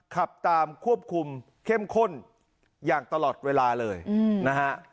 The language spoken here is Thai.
ขับตามควบคุมเข้มข้นอย่างตลอดเวลาเลยนะฮะ